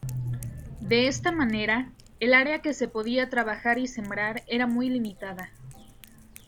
De esta manera, el área que se podía trabajar y sembrar era muy limitada.